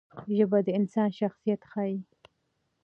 ژبه د انسان شخصیت ښيي.